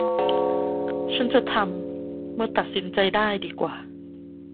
ฉันจะทำเมื่อตัดสินใจได้ดีกว่า